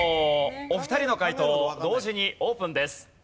お二人の解答同時にオープンです。